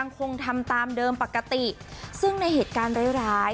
คงทำตามเดิมปกติซึ่งในเหตุการณ์ร้ายร้าย